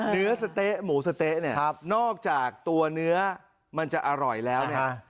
เนื้อสะเต๊ะหมูสะเต๊ะเนี่ยนอกจากตัวเนื้อมันจะอร่อยแล้วเนี่ย